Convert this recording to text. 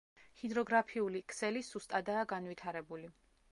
ჰიდროგრაფიული ქსელი სუსტადაა განვითარებული.